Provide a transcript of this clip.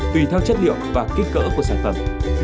tùy theo chất liệu và kích cỡ của sản phẩm